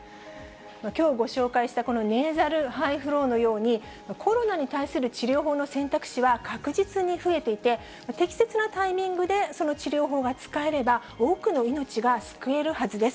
きょうご紹介した、このネーザルハイフローのように、コロナに対する治療法の選択肢は確実に増えていて、適切なタイミングでその治療法が使えれば、多くの命が救えるはずです。